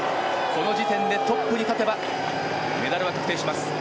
この時点でトップに立てばメダルは確定します。